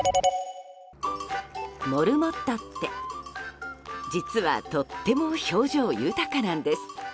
モルモットって実はとっても表情豊かなんです。